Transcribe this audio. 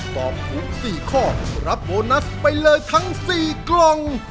ตอบถูก๔ข้อรับโบนัสไปเลยทั้ง๔กล่อง